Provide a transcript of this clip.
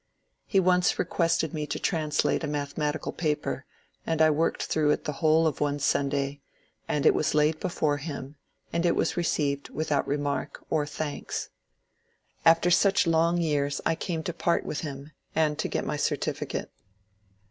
He once requested me to translate a mathematical paper, and I worked through it the whole of one Sunday, and it was laid before him, and it was received without remark or thanks. After such long years I came to part with him, and to get my certificate.